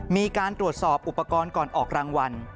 มีการตรวจสอบอุปกรณ์ก่อนออกรางวัล